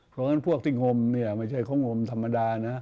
เพราะฉะนั้นพวกที่งมเนี่ยไม่ใช่เขางมธรรมดานะ